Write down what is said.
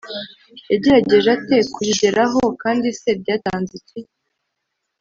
yagerageje ate kuyigeraho, kandi se byatanze iki?